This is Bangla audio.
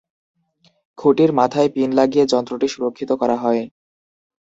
খুঁটির মাথায় পিন লাগিয়ে যন্ত্রটি সুরক্ষিত করা হয়।